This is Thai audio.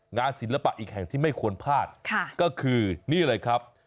ศิลปะอีกแห่งที่ไม่ควรพลาดก็คือนี่เลยครับ